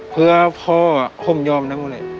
เพื่อพ่อผมยอมนะ